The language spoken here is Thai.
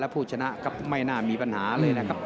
ผู้ชนะครับไม่น่ามีปัญหาเลยนะครับ